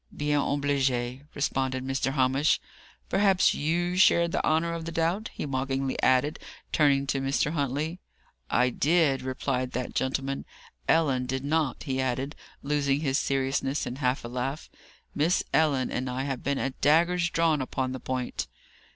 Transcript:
"Bien obligé," responded Mr. Hamish. "Perhaps you shared the honour of the doubt?" he mockingly added, turning to Mr. Huntley. "I did," replied that gentleman. "Ellen did not," he added, losing his seriousness in a half laugh. "Miss Ellen and I have been at daggers drawn upon the point."